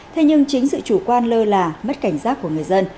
thế nhưng chính sự chủ quan lơ là mất cảnh giác của người dân